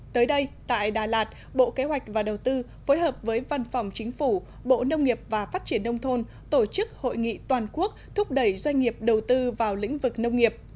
tới đây tại đà lạt bộ kế hoạch và đầu tư phối hợp với văn phòng chính phủ bộ nông nghiệp và phát triển nông thôn tổ chức hội nghị toàn quốc thúc đẩy doanh nghiệp đầu tư vào lĩnh vực nông nghiệp